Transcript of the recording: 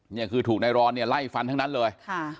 นี่คือถูกนายรอนไล่ฟันทั้งนั้นเลย